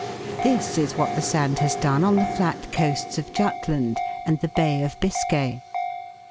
This is what the sand has done on the flat coasts of Jutland, and the Bay of Biscay.